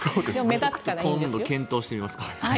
今度検討してみます。